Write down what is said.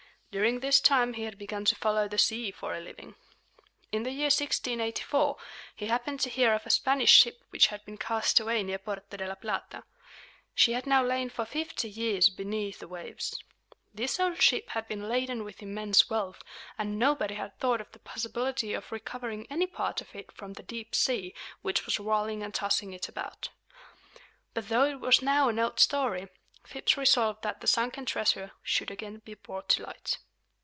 During this time he had begun to follow the sea for a living. In the year 1684 he happened to hear of a Spanish ship which had been cast away near Porto de la Plata. She had now lain for fifty years beneath the waves. This old ship had been laden with immense wealth; and nobody had thought of the possibility of recovering any part of it from the deep sea which was rolling and tossing it about. But though it was now an old story, Phips resolved that the sunken treasure should again be brought to light.